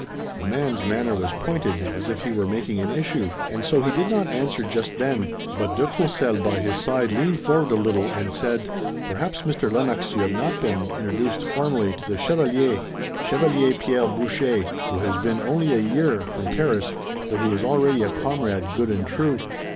The man's manner was pointed as if he were making an issue, and so he did not answer just then, but de Courcelles by his side leaned forward a little and said: "Perhaps, Mr. Lennox, you have not yet been introduced formally to the chevalier, Chevalier Pierre Boucher, who has been only a year from Paris, but who is already a comrade good and true."